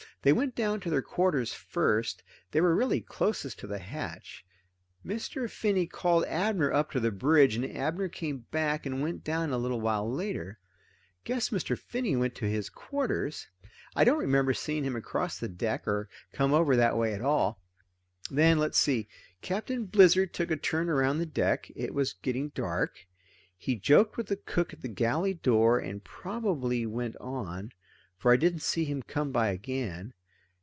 They went down to their quarters first. They were really closest to the hatch. Mr. Finney called Abner up to the bridge, and Abner came back and went down a while later. Guess Mr. Finney went to his quarters I don't remember seeing him cross the deck or come over that way at all. Then let's see Captain Blizzard took a turn around the deck. It was getting dark. He joked with the cook at the galley door, and probably went on, for I didn't see him come by again.